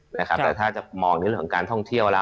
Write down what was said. แต่ถ้าจะมอง